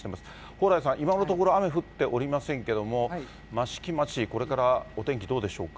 蓬莱さん、今のところ雨が降っておりませんけれども、益城町、これからお天